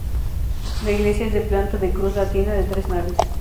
La iglesia es de planta de cruz latina de tres naves.